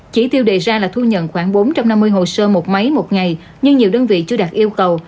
chỉ tiêu đề ra là thu nhận khoảng bốn trăm năm mươi hồ sơ một máy một ngày nhưng nhiều đơn vị chưa đạt yêu cầu